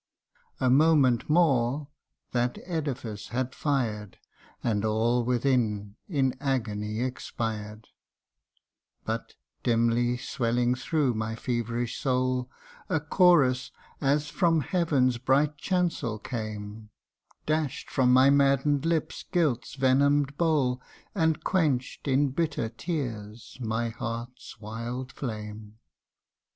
A moment more that edifice had fired And all within in agony expired ; But, dimly swelling through my feverish soul, A chorus as from heaven's bright chancel came, Dash'd from my madden'd lips Guilt's venom'd bowl, And quench 'd in bitter tears my heart's wild flame.